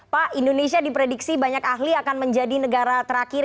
pak indonesia diprediksi banyak ahli akan menjadi negara terakhir